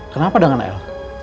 kenapa dengan el